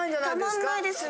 たまんないです